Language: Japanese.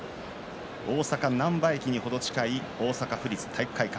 大阪難波駅に程近い大阪府立体育会館